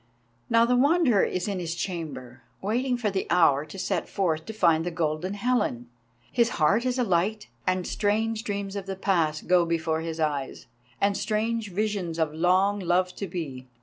Now the Wanderer is in his chamber, waiting for the hour to set forth to find the Golden Helen. His heart is alight, and strange dreams of the past go before his eyes, and strange visions of long love to be.